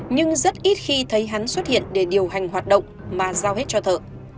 nhưng rất ít khi thấy hắn xuất hiện để điều hành hoạt động mà giao hết cho thợ